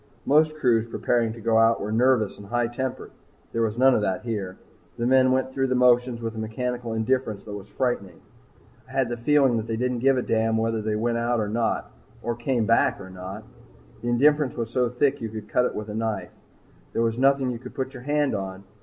Most crews preparing to go out are nervous and high tempered. There was none of that here. The men went through the motions with a mechanical indifference that was frightening. I had the feeling that they didn't give a damn whether they went or not or came back or not. The indifference was so thick you could cut it with a knife. Yet there was nothing you could put your hand on.